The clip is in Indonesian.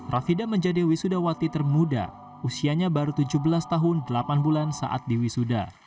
rafida menjadi wisudawati termuda usianya baru tujuh belas tahun delapan bulan saat di wisuda